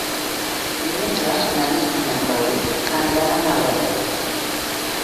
Diumenge na Nit i en Rauric aniran a Nalec.